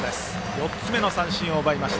４つ目の三振を奪いました。